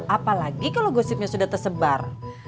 apalagi kalau gosipnya sudah tersebar